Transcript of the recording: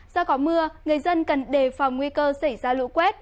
do có mưa người dân cần đề phòng nguy cơ xảy ra lũ quét